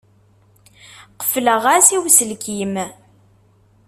Qefleɣ-as i uselkim.